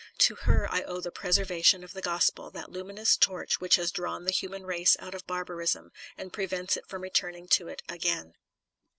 To her I owe the preservation of the Gospel, that luminous torch which has drawn the human race out of barbarism, and pre vents it from returning to it again.